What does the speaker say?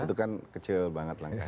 itu kan kecil banget lah